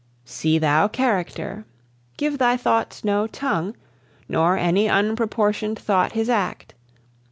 See thou character. Give thy thoughts no tongue, Nor any unproportion'd thought his act.